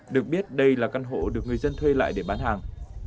được biết đây là căn hộ được người dân thuê lại để bán hàng